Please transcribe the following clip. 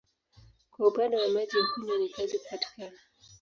Kwa upande wa maji ya kunywa ni kazi kupatikana.